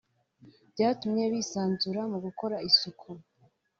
byatumye bisanzura mu gukora isuku